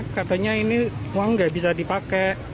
katanya ini uang nggak bisa dipakai